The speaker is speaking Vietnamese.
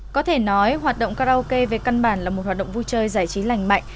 có thể nói hoạt động karaoke về căn bản là một hoạt động vui chơi giải trí lành mạnh